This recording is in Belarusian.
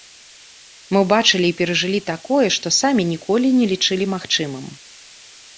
Мы ўбачылі і перажылі такое, што самі ніколі не лічылі магчымым.